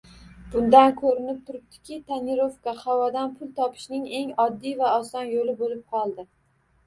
Bundan koʻrib turibdiki, tonirovka havodan pul topishning eng oddiy va oson yoʻli boʻlib qoldi.